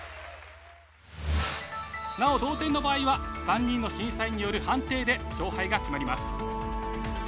なお同点の場合は３人の審査員による判定で勝敗が決まります。